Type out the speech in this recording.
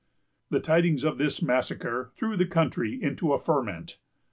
The tidings of this massacre threw the country into a ferment.